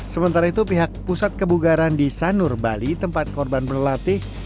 sementara itu pihak pusat kebugaran di sanur bali tempat korban berlatih